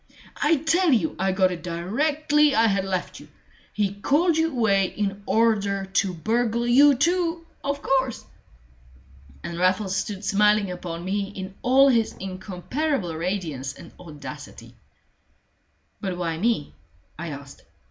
"I tell you I got it directly I had left you. He called you away in order to burgle you too, of course!" And Raffles stood smiling upon me in all his incomparable radiance and audacity. "But why me?" I asked.